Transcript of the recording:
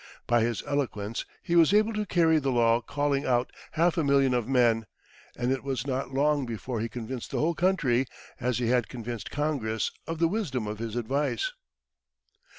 By his eloquence he was able to carry the law calling out half a million of men, and it was not long before he convinced the whole country, as he had convinced Congress, of the wisdom of his advice.